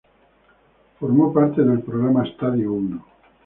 Formó parte del programa "Estadio Uno".